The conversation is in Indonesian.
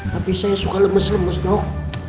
tapi saya suka lemes lemes dok